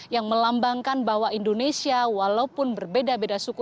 yang melambangkan bahwa indonesia walaupun berbeda beda suku